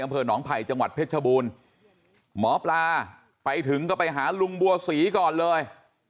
อำเภอหนองไผ่จังหวัดเพชรชบูรณ์หมอปลาไปถึงก็ไปหาลุงบัวศรีก่อนเลย